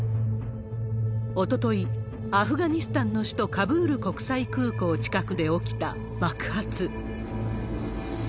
おととい、アフガニスタンの首都カブール国際空港近くで起きた爆発。